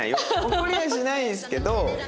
怒りはしないですけど。